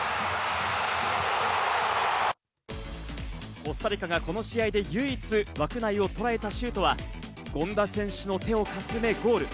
コスタリカがこの試合で唯一、枠内をとらえたシュートは、権田選手の手をかすめゴール。